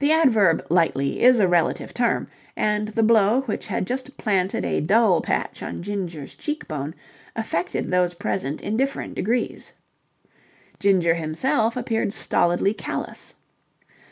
The adverb "lightly" is a relative term, and the blow which had just planted a dull patch on Ginger's cheekbone affected those present in different degrees. Ginger himself appeared stolidly callous.